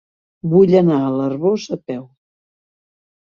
Vull anar a l'Arboç a peu.